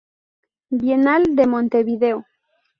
Bienal de Montevideo.